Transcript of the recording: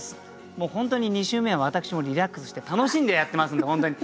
もう本当に２週目は私もリラックスして楽しんでやってますんで本当に。